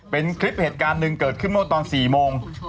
เป็นคลิปเหตุการณ์หนึ่งเกิดขึ้นเมื่อตอน๔โมง